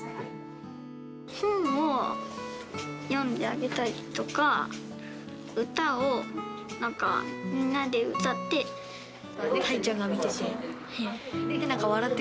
本を読んであげたりとか、歌をなんか、みんなで歌って。